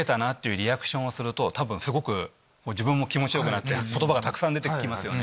リアクションをするとすごく自分も気持ちよくなって言葉がたくさん出て来ますよね。